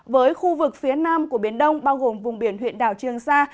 với khu vực phía nam của biển đông bao gồm vùng biển huyện đảo trường sa